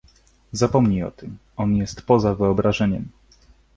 "Zapomnij o tym. On jest poza wyobrażeniem."